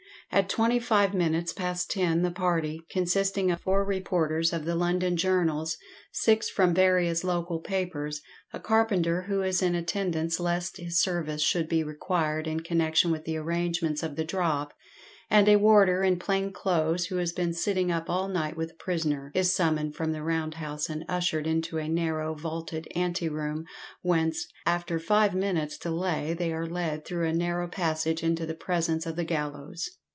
At twenty five minutes past ten the party consisting of four reporters of the London journals, six from various local papers, a carpenter who is in attendance lest his service should be required in connection with the arrangements of the drop, and a warder in plain clothes who has been sitting up all night with the prisoner is summoned from the round house and ushered into a narrow vaulted ante room, whence, after five minutes' delay, they are led through a narrow passage into the presence of the gallows.